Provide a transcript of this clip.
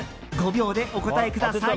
５秒でお答えください。